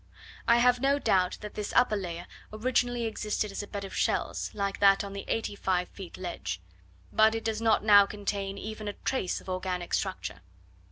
I have no doubt that this upper layer originally existed as a bed of shells, like that on the eighty five feet ledge; but it does not now contain even a trace of organic structure.